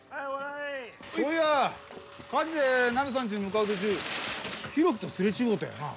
そういや火事でナミさんちに向かう途中浩喜とすれ違うたよな？